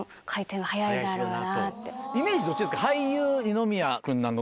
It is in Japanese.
イメージどっちですか？